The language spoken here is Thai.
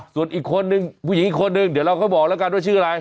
ส่วนอีกคนนึงผู้หญิงอีกคนนึงเดี๋ยวเราก็บอกแล้วกันว่าชื่ออะไร